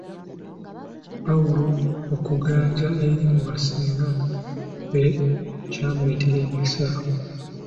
Pawulo okuganja eri mu ba ssenga be kyamuleetera emikisa.